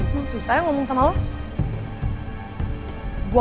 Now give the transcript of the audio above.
udah susah ya ngomong sama lu